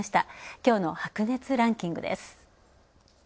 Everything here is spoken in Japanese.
きょうの「白熱！ランキング」です。